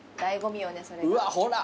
うわほら。